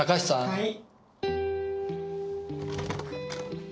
はい。